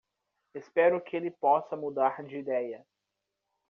Espero que ele possa mudar de ideia.